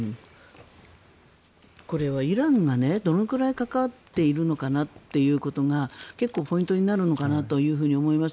これはイランがどのくらいかかっているのかなということが結構ポイントになるのかなと思います。